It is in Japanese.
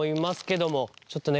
ちょっとね